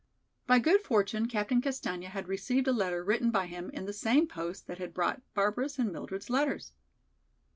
By good fortune Captain Castaigne had received a letter written by him in the same post that had brought Barbara's and Mildred's letters.